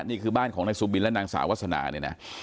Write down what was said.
นี่คือบ้านของนายสุบินและนางสาววาสนาเนี่ยนะ